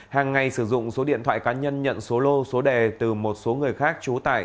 hàng ngày sử dụng số điện thoại cá nhân nhận số lô số đề từ một số người khác trú tại